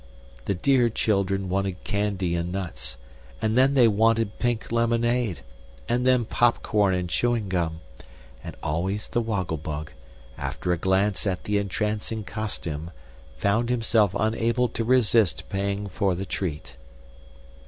The dear children wanted candy and nuts; and then they warned pink lemonade; and then pop corn and chewing gum; and always the Woggle Bug, after a glance at the entrancing costume, found himself unable to resist paying for the treat.